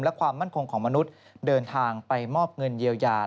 และความมั่นคงของมนุษย์เดินทางไปมอบเงินเยียวยา